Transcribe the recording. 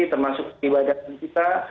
termasuk ibadah kita